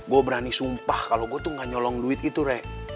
gue berani sumpah kalau gue tuh gak nyolong duit itu rek